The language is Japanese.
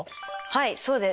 はいそうです。